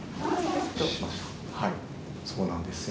はいそうなんです。